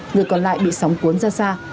người còn lại bị sóng cuốn ra xa